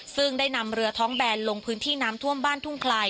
ซึ่งได้นำเรือท้องแบนลงพื้นที่น้ำท่วมบ้านทุ่งคลาย